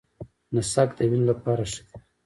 نسک د وینې لپاره ښه دي.